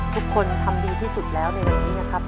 ทุกคนทำดีที่สุดแล้วนะครับ